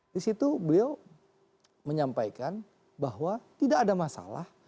di situ beliau menyampaikan bahwa tidak ada masalah